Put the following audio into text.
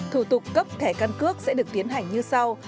thủ tục cấp thẻ căn cước sẽ được tiến hành như sau